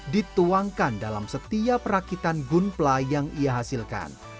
dituangkan dalam setiap rakitan gunpla yang ia hasilkan